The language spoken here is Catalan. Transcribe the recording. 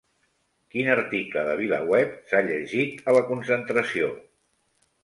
Quin article de VilaWeb s'ha llegit a la concentració?